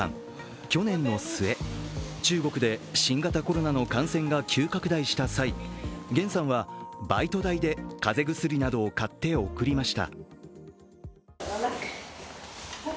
去年の末、中国で新型コロナの感染が急拡大した際、元さんはバイト代で風邪薬などを買って送りました。